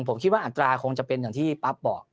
ผมคิดว่าอัตราคงจะเป็นอย่างที่ปั๊บบอก